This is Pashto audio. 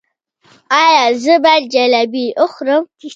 ایا زه باید جلبي وخورم؟